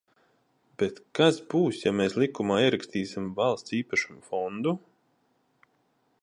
Bet, kas būs, ja mēs likumā ierakstīsim Valsts īpašuma fondu?